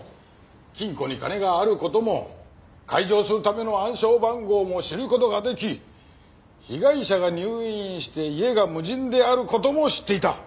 金庫に金がある事も解錠するための暗証番号も知る事が出来被害者が入院して家が無人である事も知っていた。